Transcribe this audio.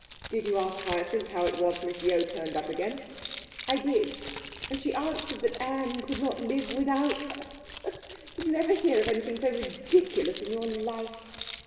'Did you ask Hyacinth how it was Miss Yeo turned up again?' 'I did; and she answered that Anne could not live without her I Did you ever hear of anything so ridiculous in your life?'